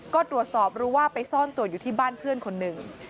ก็ตรวจสอบรู้ว่าไปซ่อนตัวอยู่ที่บ้านเพื่อนคนหนึ่ง